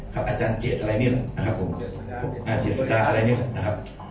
ครับอาจารย์เจสอะไรเนี่ยล่ะนะครับผมเจสตาอะไรเนี่ยล่ะนะครับ